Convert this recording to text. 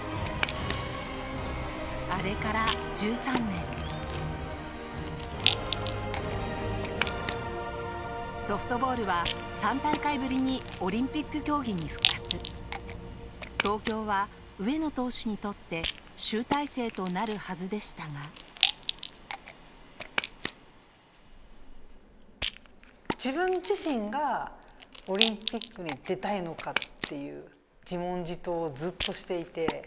あれから１３年ソフトボールは３大会ぶりにオリンピック競技に復活東京は上野投手にとって集大成となるはずでしたが自分自身が、オリンピックに出たいのかっていう自問自答をずっとしていて。